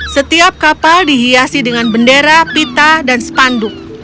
setiap kapal dihiasi dengan bendera pita dan spanduk